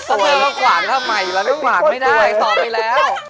ถ้าเธอก็กว่างทำไมไม่กว่างไม่ได้ต่อไปแล้ว